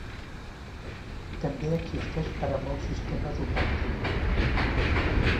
– també existeix per a molts sistemes operatius.